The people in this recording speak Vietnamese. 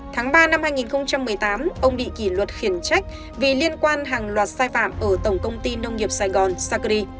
tháng ba năm hai nghìn một mươi tám ông bị kỷ luật khiển trách vì liên quan hàng loạt sai phạm ở tổng công ty nông nghiệp sài gòn sacri